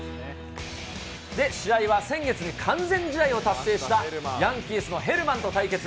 で、試合は先月に完全試合を達成したヤンキースのヘルマンと対決。